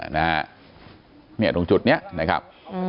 เนี่ยตรงจุดนี้นะครับ